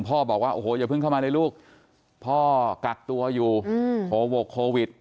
บอกว่าโอ้โหอย่าเพิ่งเข้ามาเลยลูกพ่อกักตัวอยู่โควิด